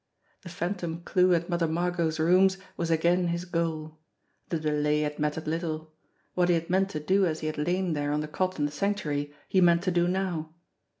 The phantom clue at Mother Margot's rooms was again his goal. The delay had mattered, little. What he had meant to do as be had lain there on the cot in the Sanctuary, he meant to do now.